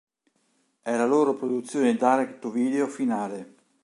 È la loro produzione direct-to-video finale.